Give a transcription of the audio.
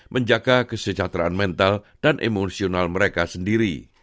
menjaga kesejahteraan mental dan emosional mereka sendiri